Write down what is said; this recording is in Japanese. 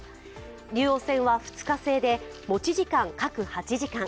竜王戦は２日制で、持ち時間各８時間。